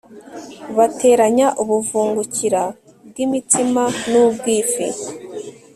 bateranya ubuvungukira bw imitsima n ubw ifi